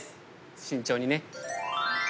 慎重にね。